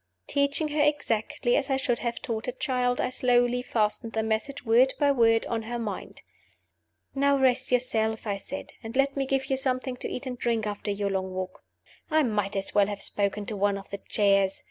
Teaching her exactly as I should have taught a child, I slowly fastened the message, word by word, on her mind. "Now rest yourself," I said; "and let me give you something to eat and drink after your long walk." I might as well have spoken to one of the chairs.